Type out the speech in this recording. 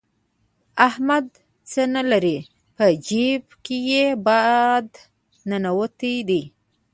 احمد څه نه لري؛ په جېب کې يې باد ننوتلی دی.